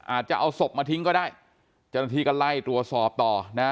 อาจจะเอาศพมาทิ้งก็ได้เจ้าหน้าที่ก็ไล่ตรวจสอบต่อนะ